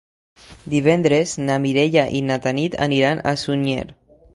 Divendres na Mireia i na Tanit aniran a Sunyer.